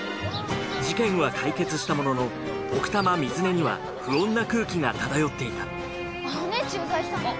事件は解決したものの奥多摩水根には不穏な空気が漂っていたあのね駐在さん。